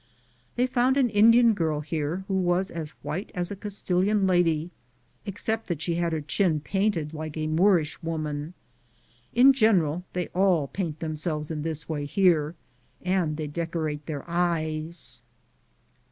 They found an Indian girl here who was as white as a Cas tilian lady, except that she had her chin ligirized I:, G00gk' THE JOURNEY OF CORONADO painted like a Moorish woman. In general they all paint themselves in this way here, and they decorate their eyes.